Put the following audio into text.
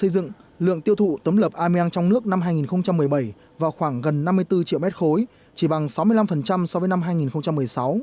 tổng thủ tấm lập amiang trong nước năm hai nghìn một mươi bảy vào khoảng gần năm mươi bốn triệu mét khối chỉ bằng sáu mươi năm so với năm hai nghìn một mươi sáu